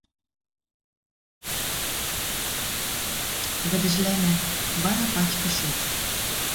Вӹдӹжлӓнӓ... Вара патькышок